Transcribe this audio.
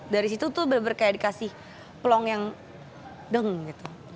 dari situ tuh benar benar kayak dikasih plong yang deng gitu